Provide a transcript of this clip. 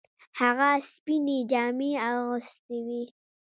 هغه سپینې جامې اغوستې وې.